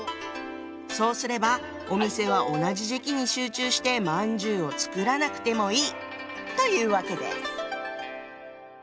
そうすればお店は同じ時期に集中してまんじゅうを作らなくてもいいというわけです。